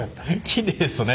きれいですね